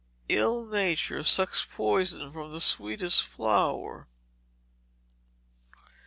[ILL NATURE SUCKS POISON FROM THE SWEETEST FLOWER.